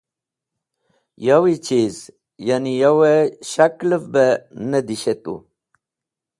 Yowi chiz, ya’ni yow-e shakalev be ne dishetu.